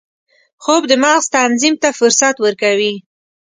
خوب د مغز تنظیم ته فرصت ورکوي